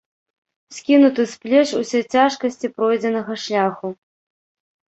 Скінуты з плеч усе цяжкасці пройдзенага шляху.